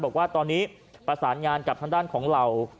บอกว่าตอนนี้ประสานงานกับทางด้านของเหล่า